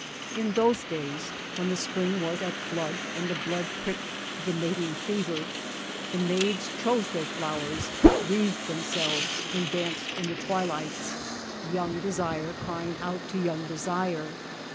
In those days, when the spring was at flood and the blood pricked to the mating fever, the maids chose their flowers, wreathed themselves, and danced in the twilights, young desire crying out to young desire.